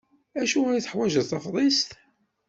Acuɣer i teḥwaǧeḍ tafḍist?